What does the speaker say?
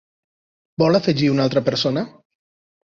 Vol afegir una altra persona?